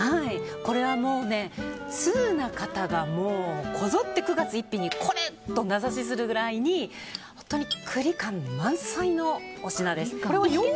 これは通な方がこぞって９月１日にこれと名指しするくらいに栗感満載のお品です。